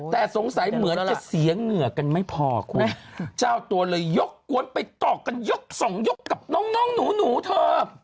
แต่สงสัยเหมือนจะเสียเหงื่อกันไม่พอคุณเจ้าตัวเลยยกกวนไปตอกกันยกสองยกกับน้องหนูเธอ